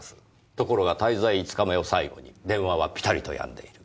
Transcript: ところが滞在５日目を最後に電話はピタリとやんでいる。